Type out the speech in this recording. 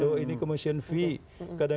kadang kadang komisi itu bisa diberikan